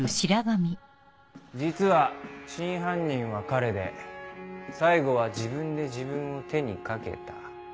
実は真犯人は彼で最後は自分で自分を手にかけた。